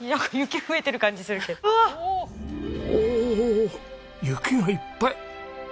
雪がいっぱい！